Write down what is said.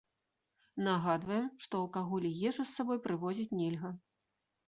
Нагадваем, што алкаголь і ежу з сабой прывозіць нельга.